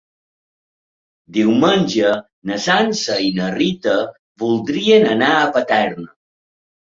Diumenge na Sança i na Rita voldrien anar a Paterna.